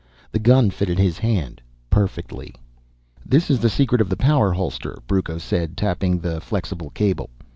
The gun fitted his hand perfectly. "This is the secret of the power holster," Brucco said, tapping the flexible cable.